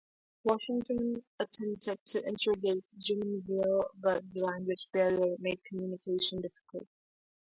Washington attempted to interrogate Jumonville but the language barrier made communication difficult.